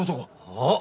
あっ！